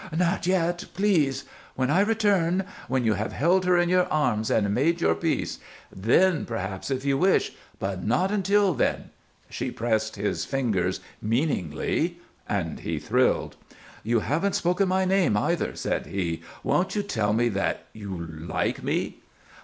"Not yet. Please! When I return when you have held her in your arms and made your peace. Then, perhaps, if you wish but not until then." She pressed his fingers meaningly, and he thrilled. "You haven't spoken my name, either," said he. "Won't you tell me that you like me?"